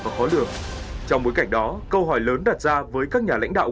và khó lường trong bối cảnh đó câu hỏi lớn đặt ra với các nhà lãnh đạo